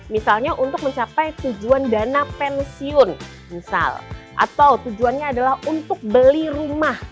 misalnya untuk mencapai tujuan dana pensiun misal atau tujuannya adalah untuk beli rumah